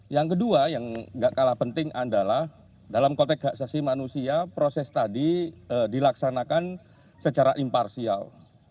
yang kedua yang gak kalah penting adalah dalam konteks hak asasi manusia proses tadi dilaksanakan secara imparsial